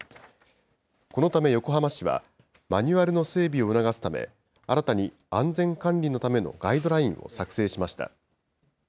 このため横浜市は、マニュアルの整備を促すため、新たに安全管理のためのガイドラインを作成しました。